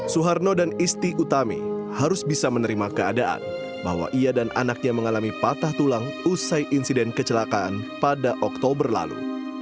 suharno dan isti utami harus bisa menerima keadaan bahwa ia dan anaknya mengalami patah tulang usai insiden kecelakaan pada oktober lalu